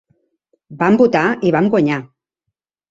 Vam votar, i vam guanyar!